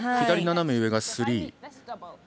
左斜め上がスリー。